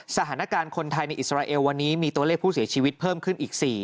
สถานการณ์คนไทยในอิสราเอลวันนี้มีตัวเลขผู้เสียชีวิตเพิ่มขึ้นอีก๔